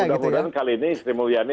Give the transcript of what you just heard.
mudah mudahan kali ini sri mulyani